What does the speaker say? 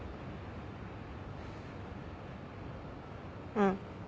うん。